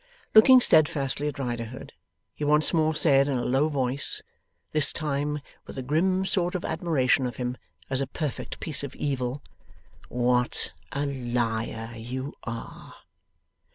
Looking stedfastly at Riderhood, he once more said in a low voice, this time with a grim sort of admiration of him as a perfect piece of evil, 'What a liar you are!